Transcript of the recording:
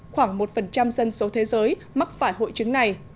khoảng một dân số thế giới mắc phải hội chứng này